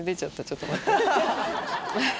ちょっと待って。